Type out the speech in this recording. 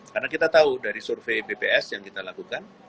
karena kita tahu dari survei bps yang kita lakukan